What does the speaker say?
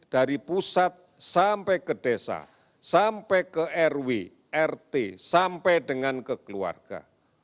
dari pusat sampai ke desa sampai ke rw rt sampai dengan ke keluarga